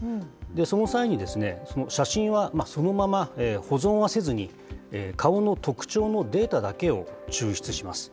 その際に、写真はそのまま保存はせずに、顔の特徴のデータだけを抽出します。